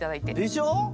でしょ？